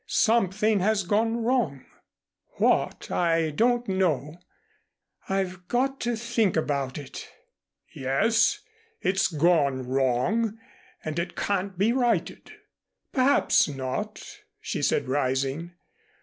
Something has gone wrong what, I don't know. I've got to think about it." "Yes it's gone wrong and it can't be righted." "Perhaps not," she said rising.